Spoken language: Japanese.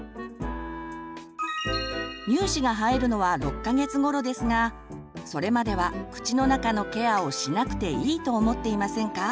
乳歯が生えるのは６か月ごろですがそれまでは口の中のケアをしなくていいと思っていませんか？